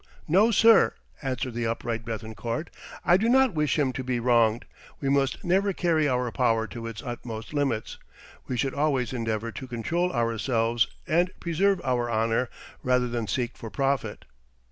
"No, sir," answered the upright Béthencourt, "I do not wish him to be wronged, we must never carry our power to its utmost limits, we should always endeavour to control ourselves and preserve our honour rather than seek for profit."